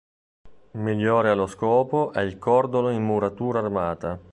Migliore allo scopo è il cordolo in muratura armata..